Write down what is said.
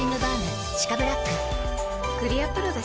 クリアプロだＣ。